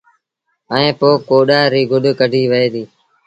ائيٚݩ پو ڪوڏآر ريٚ گُڏ ڪڍيٚ وهي دي